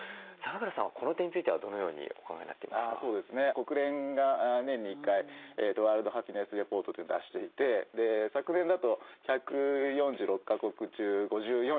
国連が年に１回ワールドハピネスレポートというのを出していて昨年だと１４６か国中５４位。